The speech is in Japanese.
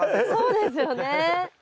そうですよね。